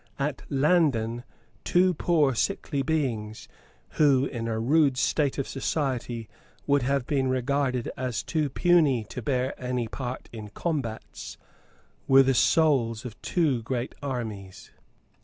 At Landen two poor sickly beings, who, in a rude state of society, would have been regarded as too puny to bear any part in combats, were the souls of two great armies.